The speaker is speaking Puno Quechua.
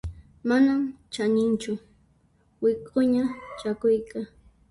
Manan chaninchu wik'uña chakuyqa.